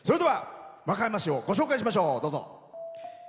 和歌山市をご紹介しましょう。